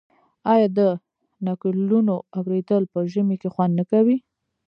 آیا د نکلونو اوریدل په ژمي کې خوند نه کوي؟